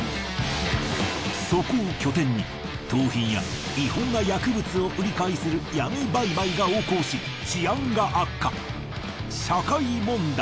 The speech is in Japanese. そこを拠点に盗品や違法な薬物を売り買いする闇売買が横行し治安が悪化。